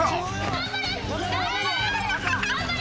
頑張れ！